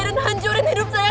dan hancurin hidup saya